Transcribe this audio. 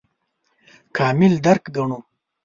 کامل درک ګڼو.